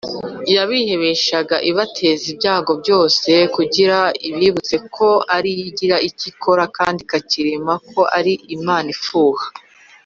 yabihebeshaga ibateza ibyago byose kugira ibibutse ko ariyo igira icyo ikora kandi ikacyirema ko ari Imana ifuha.